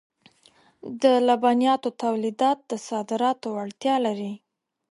د لبنیاتو تولیدات د صادراتو وړتیا لري.